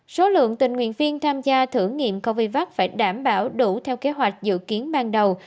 số lượng tình nguyện viên tham gia thử nghiệm covid phải đảm bảo đủ theo kế hoạch dự kiến ban đầu